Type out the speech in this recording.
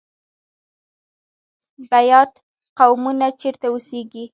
بیات قومونه چیرته اوسیږي؟